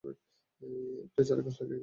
একটা চারাগাছ লাগিয়ে যা।